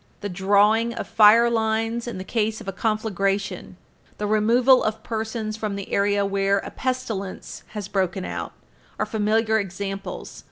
The drawing of fire lines in the case of a conflagration, the removal of persons from the area where a pestilence has broken out, are familiar examples.